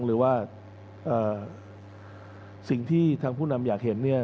หรือว่าสิ่งที่ทางผู้นำอยากเห็นเนี่ย